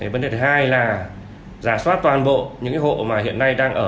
vấn đề thứ hai là giả soát toàn bộ những hộ mà hiện nay đang ở